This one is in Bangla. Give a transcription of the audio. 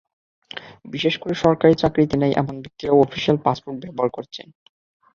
বিশেষ করে সরকারি চাকরিতে নেই এমন ব্যক্তিরাও অফিশিয়াল পাসপোর্ট ব্যবহার করছেন।